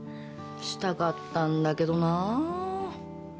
したかったんだけどなぁ。